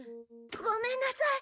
ごめんなさい。